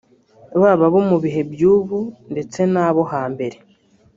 baba abo mu bihe by’ubu ndetse n’abo hambere